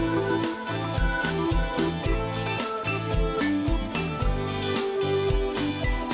โปรดติดตามตอนต่อไป